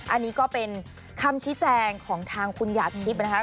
อันนี้ก็เป็นคำชี้แจงของทางคุณหยาดทิพย์นะคะ